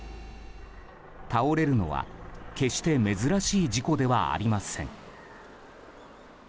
倒れるのは決して珍しい事故ではありません。